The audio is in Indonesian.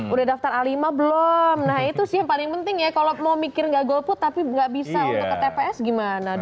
udah daftar a lima belum nah itu sih yang paling penting ya kalau mau mikir nggak golput tapi nggak bisa untuk ke tps gimana dok